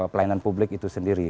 pelayanan publik itu sendiri